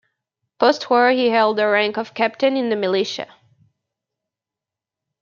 Post-war he held the rank of captain in the Militia.